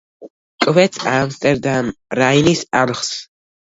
კვეთს ამსტერდამ-რაინის არხს.